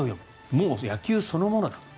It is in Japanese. もう野球そのものだと。